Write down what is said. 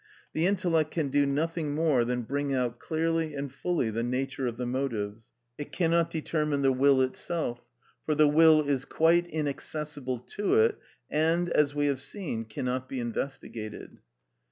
The intellect can do nothing more than bring out clearly and fully the nature of the motives; it cannot determine the will itself; for the will is quite inaccessible to it, and, as we have seen, cannot be investigated.